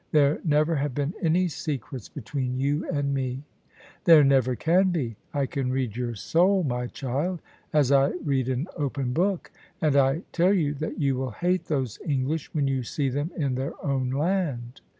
There never have been any secrets be tween you and me." " There never can be. I can read your soul, my child, as I read an open book. And I tell you that you will hate those English when you see them in their own land."